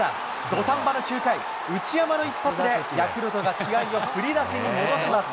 土壇場の９回、内山の一発でヤクルトが試合を振り出しに戻します。